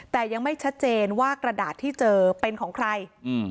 แต่ยังไม่ชัดเจนว่ากระดาษที่เจอเป็นของใคร